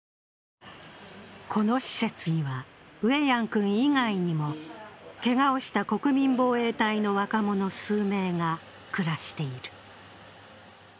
この施設には、ウェヤン君以外にもけがをした国民防衛隊の若者数名が暮らしている。